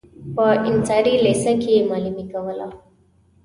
په انصاري لېسه کې معلمي کوله.